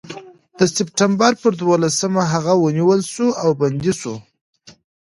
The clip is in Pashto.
د سپټمبر پر دولسمه هغه ونیول شو او بندي شو.